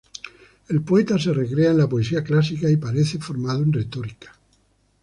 El poeta se recrea en la poesía clásica y parece formado en retórica.